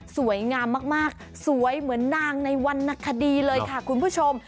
สวยงามมากสวยเหมือนนางในวรรณคดีเลยค่ะคุณผู้ชม